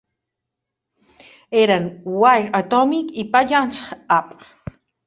Eren "We R Atomic" i "Put Ya Hands Up".